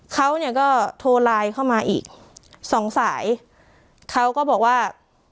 เขาเนี่ยก็โทรไลน์เข้ามาอีกสองสายเขาก็บอกว่า